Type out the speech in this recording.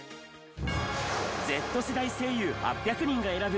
Ｚ世代声優８００人が選ぶ！